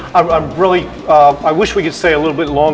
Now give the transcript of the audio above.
saya berharap kita bisa tinggal sedikit lebih lama